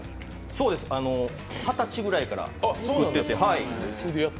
そうです、二十歳ぐらいから作ってて。